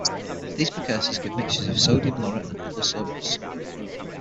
These precursors give mixtures of sodium laurate and other soaps.